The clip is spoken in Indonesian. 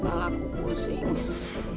malah aku pusing